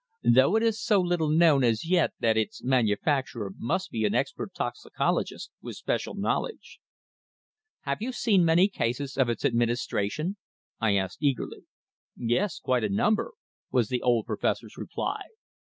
Though it is so little known as yet that its manufacturer must be an expert toxicologist with special knowledge." "Have you seen many cases of its administration?" I asked eagerly. "Yes. Quite a number," was the old Professor's reply.